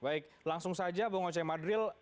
baik langsung saja bung oce madril